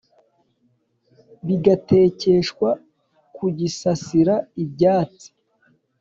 bigatekeshwa ku gisasira ibyatsi